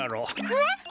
えっ！？